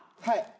はい。